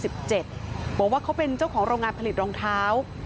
บอกว่าเขาเป็นเจ้าของโรงงานผลิตรองเท้า